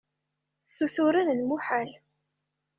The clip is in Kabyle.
Ssuturen lmuḥal.